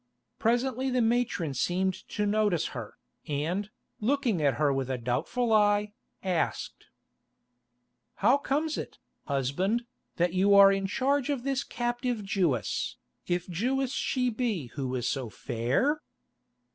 Presently the matron seemed to notice her, and, looking at her with a doubtful eye, asked: "How comes it, husband, that you are in charge of this captive Jewess, if Jewess she be who is so fair?"